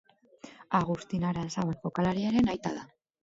Agustin Aranzabal jokalariaren aita da.